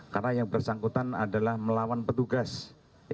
karena yang bersangkutan adalah melawan petugas ya